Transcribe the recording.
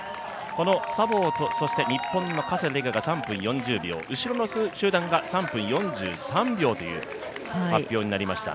このサボーと、そして日本の加世田梨花が３分４０秒後ろの集団が３分４３秒という発表になりました。